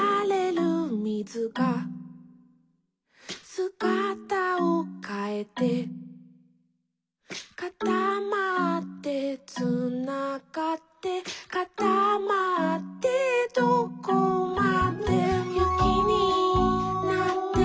「すがたをかえて」「かたまってつながって」「かたまってどこまでも」「ゆきになって」